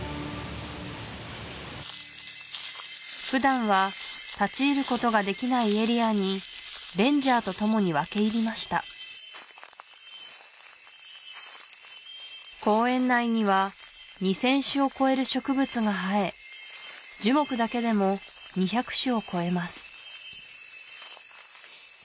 普段は立ち入ることができないエリアにレンジャーとともに分け入りました公園内には２０００種を超える植物が生え樹木だけでも２００種を超えます